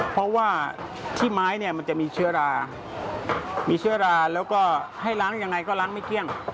เพราะว่าที่ไม้เนี่ยมันจะมีเชื้อรามีเชื้อราแล้วก็ให้ล้างยังไงก็ล้างไม่เที่ยง